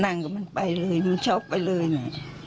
นั่งกับมันไปเลยมันช็อกไปเลยน่ะ